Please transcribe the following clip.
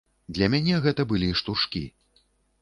Для мяне гэта былі штуршкі.